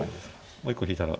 もう一個引いたら。